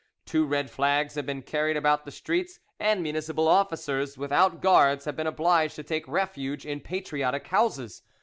Two red flags have been carried about the streets, and municipal officers without guards have been obliged to take refuge in patriotic houses.